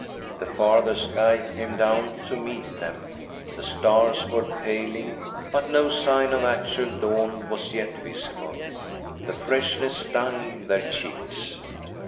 The farther sky came down to meet them. The stars were paling, but no sign of actual dawn was yet visible. The freshness stung their cheeks.